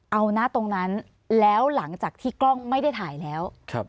เอานะตรงนั้นแล้วหลังจากที่กล้องไม่ได้ถ่ายแล้ว